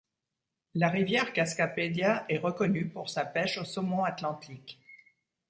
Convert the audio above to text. La rivière Cascapédia est reconnue pour sa pêche au saumon atlantique.